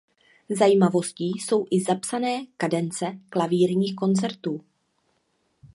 Zajímavostí jsou i zapsané kadence klavírních koncertů.